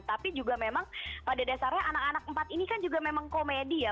tapi juga memang pada dasarnya anak anak empat ini kan juga memang komedi ya